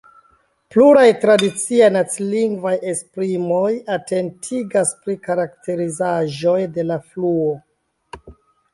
Pluraj tradiciaj nacilingvaj esprimoj atentigas pri karakterizaĵoj de la fluo.